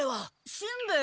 しんべヱ？